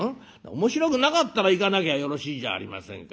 「面白くなかったら行かなきゃよろしいじゃありませんか」。